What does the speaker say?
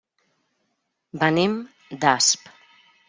Venim d'Asp.